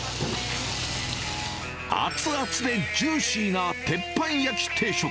熱々でジューシーな鉄板焼き定食。